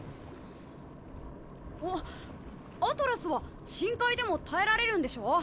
あっアトラスは深海でも耐えられるんでしょ？